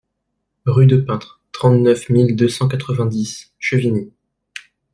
Rue de Peintre, trente-neuf mille deux cent quatre-vingt-dix Chevigny